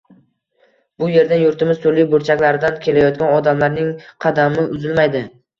Bu yerdan yurtimiz turli burchaklaridan kelayotgan odamlarning qadami uzilmaydi